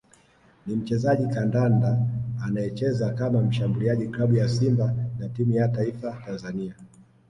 ni mchezaji kandanda anayecheza kama mshambuliaji klabu ya Simba na timu ya Taifa Tanzania